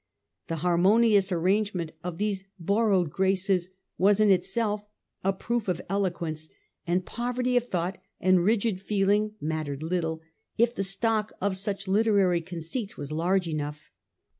The harmonious arrangement of these borrowed graces was in itself a proof of eloquence, and poverty of thought and frigid feeling mattered little, if the stock of such literary conceits was large enough.